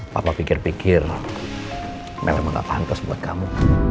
papa pikir pikir mel emang gak pantas buat kamu